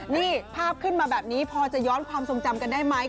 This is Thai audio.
นี่ภาพขึ้นมาแบบนี้พอจะย้อนความทรงจำกันได้ไหม